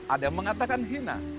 ada yang mengatakan hina